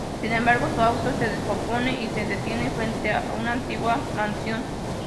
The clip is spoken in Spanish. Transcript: Sin embargo, su auto se descompone y se detiene frente a una antigua mansión.